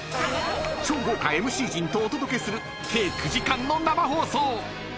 ［超豪華ＭＣ陣とお届けする計９時間の生放送］